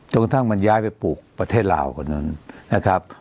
กระทั่งมันย้ายไปปลูกประเทศลาวคนนั้นนะครับ